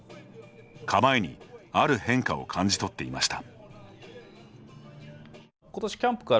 構えにある変化を感じとっていました。